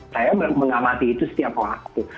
saya mengamati itu setiap waktu